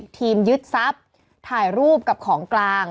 ยึดทรัพย์ถ่ายรูปกับของกลาง